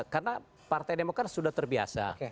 karena partai demokrat sudah terbiasa